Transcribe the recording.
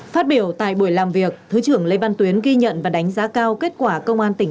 phát biểu tại buổi làm việc thứ trưởng lê văn tuyến ghi nhận và đánh giá cao kết quả công an tỉnh